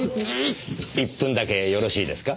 １分だけよろしいですか？